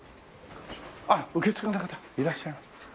あっ受付の方いらっしゃいます。